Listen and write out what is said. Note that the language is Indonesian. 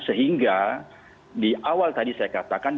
sehingga di awal tadi saya katakan